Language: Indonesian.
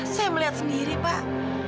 saya melihat sendiri pak